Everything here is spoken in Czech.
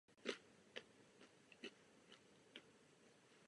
Do budování se tak zapojili členové dobrovolnických brigád.